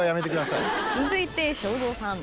続いて正蔵さん。